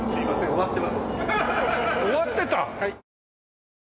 終わってた？